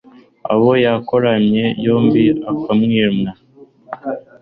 aba yarakomye yombi ukarwima